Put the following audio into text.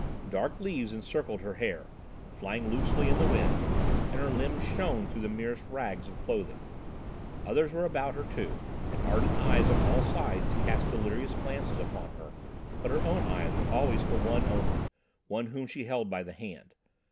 Dark leaves encircled her hair, flying loosely in the wind, and her limbs shone through the merest rags of clothing. Others were about her, too, and ardent eyes on all sides cast delirious glances upon her, but her own eyes were always for One only, one whom she held by the hand.